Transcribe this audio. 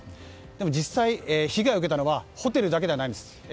実際、被害を受けたのはホテルだけではないんです。